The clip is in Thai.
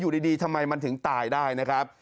อยู่ดีทำไมมันถึงตายได้นะครับ